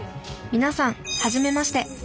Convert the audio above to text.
皆さん初めまして。